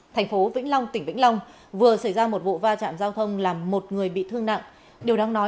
thành phố vĩnh long tỉnh vĩnh long vừa xảy ra một vụ va chạm giao thông làm một người bị thương nặng